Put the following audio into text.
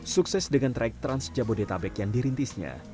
sukses dengan traik trans jabodetabek yang dirintisnya